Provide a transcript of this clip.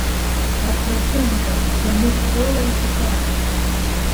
Ақәрахьымӡа бзамыҟәрыла иҭахара!